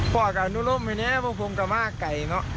พ่อกับนุรมไปหน้าเหรอพูดว่าผมกับม่าไก่หน่อ